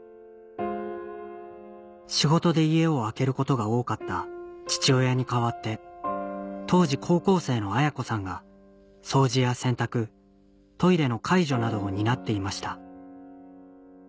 仕事で家を空けることが多かった父親に代わって当時高校生の綾子さんが掃除や洗濯トイレの介助などを担っていました